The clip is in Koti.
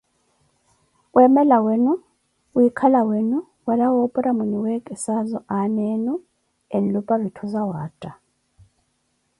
Wemela wenu, wikhala wenu wala wopora mwiniwekesazo aana enu enlupa vitthu zawaatta.